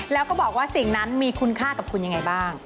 แล้วก็บอกว่าสิ่งนั้นมีคุณค่ากับคุณยังไงบ้าง